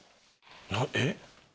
えっ？